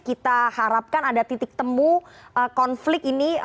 kita harapkan ada titik temu konflik ini